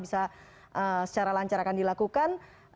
bisa secara lancar akan dilakukan